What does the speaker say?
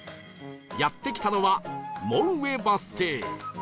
やって来たのは馬上バス停